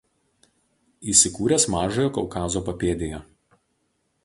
Įsikūręs Mažojo Kaukazo papėdėje.